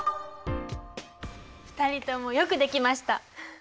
２人ともよくできました。